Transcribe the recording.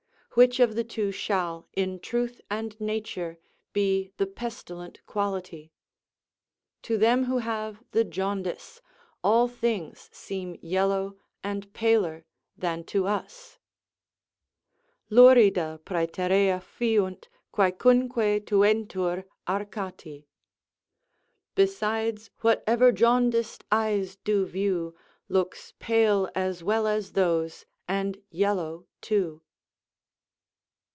Which of the two shall, in truth and nature, be the pestilent quality? To them who have the jaundice, all things seem yellow and paler than to us: Lurida præterea fiunt, quæcunque tuentur Arquati. "Besides, whatever jaundic'd eyes do view Looks pale as well as those, and yellow too."